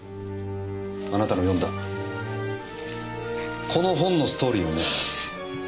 あなたの読んだこの本のストーリーをね。